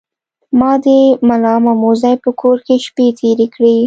ما د ملامموزي په کور کې شپې تیرې کړې.